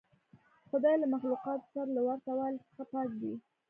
خدای له مخلوقاتو سره له ورته والي څخه پاک دی.